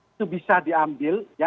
itu bisa diambil